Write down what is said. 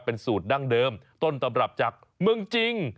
เป็นสูตรดั้งเดิมต้นตำรับจากเมืองจริง